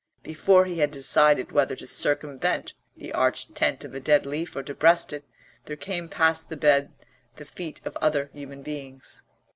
Before he had decided whether to circumvent the arched tent of a dead leaf or to breast it there came past the bed the feet of other human beings.